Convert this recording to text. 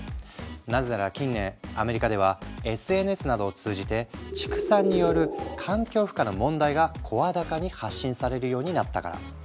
なぜなら近年アメリカではＳＮＳなどを通じて畜産による環境負荷の問題が声高に発信されるようになったから。